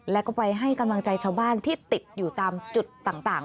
แล้วก็ไปให้กำลังใจชาวบ้านที่ติดอยู่ตามจุดต่าง